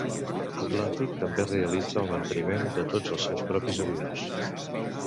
Atlantic també realitza el manteniment de tots els seus propis avions.